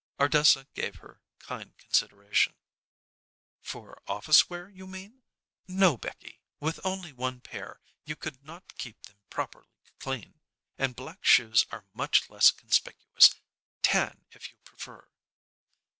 Ardessa gave her kind consideration. "For office wear, you mean? No, Becky. With only one pair, you could not keep them properly clean; and black shoes are much less conspicuous. Tan, if you prefer."